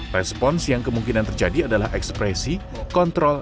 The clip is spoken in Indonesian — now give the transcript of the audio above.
respons yang kemungkinan terjadi adalah ekspresi kontrol